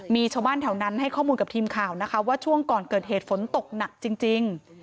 มีชาวบ้านแถวนั้นให้ข้อมูลกับทีมข่าวนะคะว่าช่วงก่อนเกิดเหตุฝนตกหนักจริง